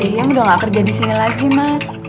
ya udah gak kerja disini lagi mas